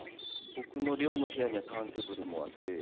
僕の寮の部屋にはターンテーブルもあって。